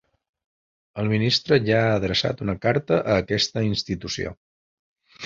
El ministre ja ha adreçat una carta a aquesta institució.